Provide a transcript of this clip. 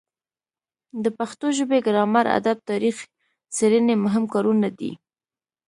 د پښتو ژبې ګرامر ادب تاریخ څیړنې مهم کارونه دي.